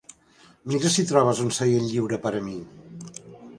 Mira si trobes un seient lliure per a mi.